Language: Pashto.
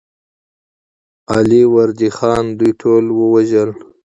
علي وردي خان دوی ټول ووژل.